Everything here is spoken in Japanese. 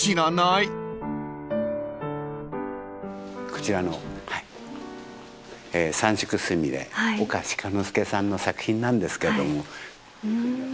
こちらの『三色すみれ』岡鹿之助さんの作品なんですけども。